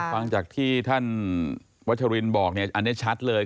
ฟังจากที่ท่านวัชรินบอกเนี่ยอันนี้ชัดเลย